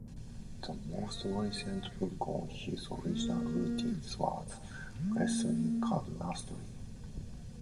The most recent book on his original routines was "Lessons in Card Mastery".